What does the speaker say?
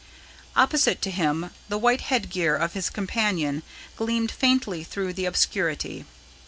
Opposite to him the white headgear of his companion gleamed faintly through the obscurity.